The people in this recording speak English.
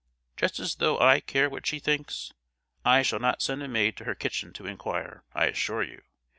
"Just as though I care what she thinks! I shall not send a maid to her kitchen to inquire, I assure you!